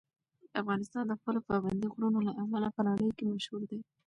افغانستان د خپلو پابندي غرونو له امله په نړۍ کې مشهور دی.